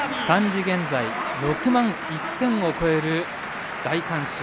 ３時現在６万１０００を超える大観衆。